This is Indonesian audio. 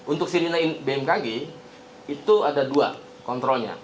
untuk sirine bmkg itu ada dua kontrolnya